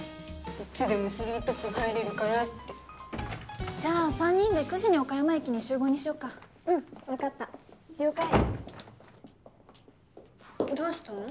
いつでもスリートップ入れるからってじゃあ３人で９時に岡山駅に集合にしようかうん分かった了解どうしたの？